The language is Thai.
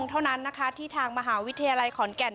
เท่านั้นที่ทางมหาวิทยาลัยขอนแก่นนั้น